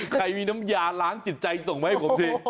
ค่อยน้ำยาร้านจิตใจส่งไม่ไหม